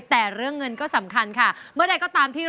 แต่เรื่องเงินก็สำคัญค่ะเมื่อใดก็ตามที่